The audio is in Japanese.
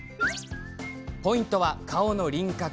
ポイントは顔の輪郭。